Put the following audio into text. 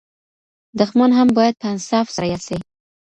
دښمن هم باید په انصاف سره یاد سي.